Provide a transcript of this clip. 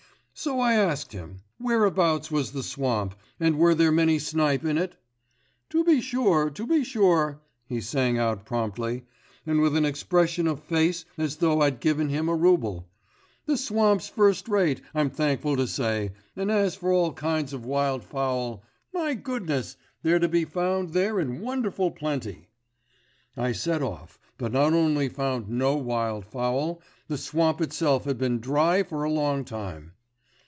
So I asked him: "Whereabouts was the swamp, and were there many snipe in it?" "To be sure, to be sure," he sang out promptly, and with an expression of face as though I'd given him a rouble; "the swamp's first rate, I'm thankful to say; and as for all kinds of wild fowl, my goodness, they're to be found there in wonderful plenty." I set off, but not only found no wild fowl, the swamp itself had been dry for a long time.